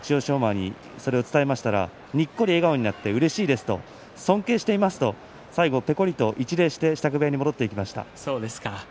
馬に伝えたらにっこり笑顔になってうれしいです尊敬していますと最後ににこっと一礼して支度部屋に戻りました。